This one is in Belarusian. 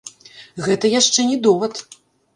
Гэта яшчэ не довад.